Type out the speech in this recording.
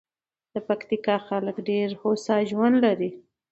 د پکتیکا خلک ډېر هوسا ژوند لري.